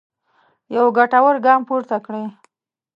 یو ګټور ګام پورته کړی.